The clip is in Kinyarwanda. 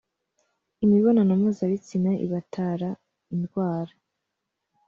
imibonano mpuzabitsina ibatara indwara.